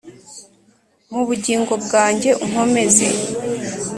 mu bugingo bwanjye unkomeze